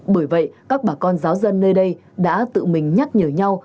bởi vậy các bà con giáo dân nơi đây đã tự mình nhắc nhở nhau